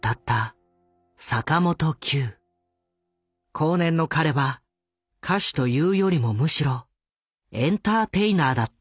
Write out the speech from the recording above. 後年の彼は歌手というよりもむしろエンターテイナーだった。